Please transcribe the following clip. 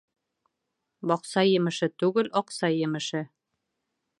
Баҡса емеше түгел, аҡса емеше.